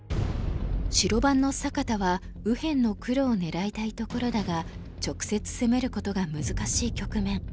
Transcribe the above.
白番の坂田は右辺の黒を狙いたいところだが直接攻めることが難しい局面。